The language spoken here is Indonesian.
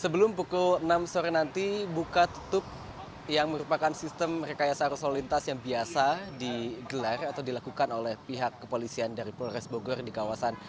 sebelum pukul enam sore nanti buka tutup yang merupakan sistem rekayasa arus lalu lintas yang biasa digelar atau dilakukan oleh pihak kepolisian dari polres bogor di kawasan